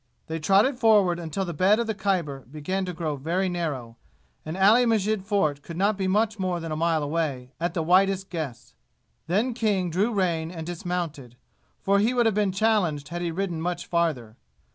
They trotted forward until the bed of the Khyber began to grow very narrow, and Ali Masjid Fort could not be much more than a mile away, at the widest guess. Then King drew rein and dismounted, for he would have been challenged had he ridden much farther.